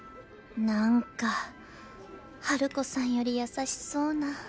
何かハルコさんより優しそうな